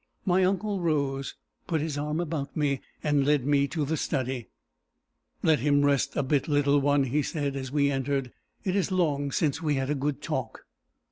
My uncle rose, put his arm about me, and led me to the study. "Let him rest a bit, little one," he said as we entered. "It is long since we had a good talk!"